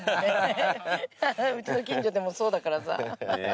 うちの近所でもそうだからさ。